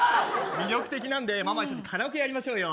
魅力的なんでママ一緒にカラオケやりましょうよ。